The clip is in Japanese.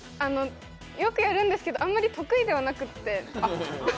よくやるんですけどあまり得意ではなくて。